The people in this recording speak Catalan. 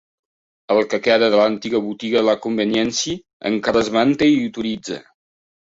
El que queda de l'antiga botiga de conveniència encara es manté i utilitza.